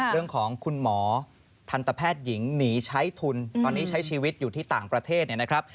เรื่องของคุณหมอทันตแพทย์หญิงหนีใช้ทุนตอนนี้ใช้ชีวิตอยู่ที่ต่างประเทศเนี่ยนะครับ